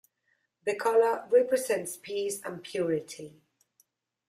The color represents peace and purity.